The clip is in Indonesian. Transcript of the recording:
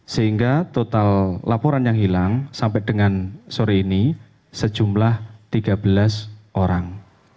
sehingga total laporan yang hilang sampai dengan sore ini sejumlah tiga belas orang